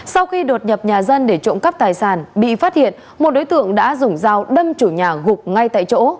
sau khi đột nhập nhà dân để trộm cắp tài sản bị phát hiện một đối tượng đã dùng dao đâm chủ nhà gục ngay tại chỗ